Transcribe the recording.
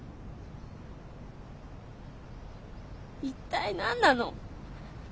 一体何なの！